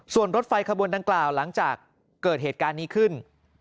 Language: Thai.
ส่วนรถไฟขบวนดังกล่าวหลังจากเกิดเหตุการณ์นี้ขึ้น